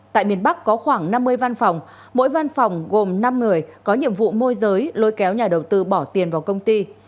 tại miền bắc có khoảng năm mươi văn phòng mỗi văn phòng gồm năm người có nhiệm vụ môi giới lôi kéo nhà đầu tư bỏ tiền vào công ty